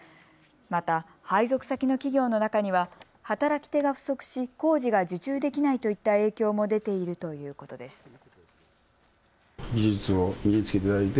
また配属先の企業の中には働き手が不足し工事が受注できないといった影響も出ているということです。